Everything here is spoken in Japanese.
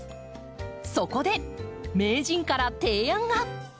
そこで名人から提案が。